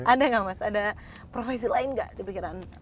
ada enggak mas ada profesi lain enggak di pikiran anda